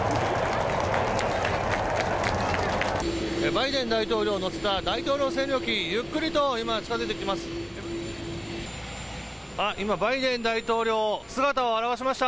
バイデン大統領を乗せた大統領専用機ゆっくりと今、近づいてきます。